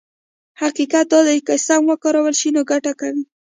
حقيقت دا دی چې که سم وکارول شي نو ګټه کوي.